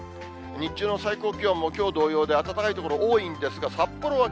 日中の最高気温もきょう同様で、暖かい所多いんですが、札幌はき